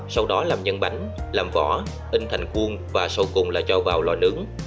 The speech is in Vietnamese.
sau đó làm nhân bánh làm vỏ in thành khuôn và sau cùng là cho vào lò nướng